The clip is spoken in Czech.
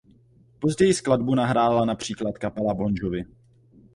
Později skladbu nahrála například kapela Bon Jovi.